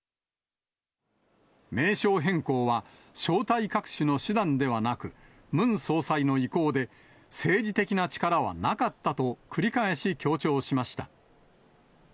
名称変更は、正体隠しの手段ではなく、ムン総裁の意向で、政治的な力はなかったと繰り返し強調しました。